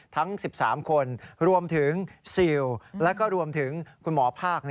ทั้ง๑๓คนรวมถึงซิลแล้วก็รวมถึงคุณหมอภาค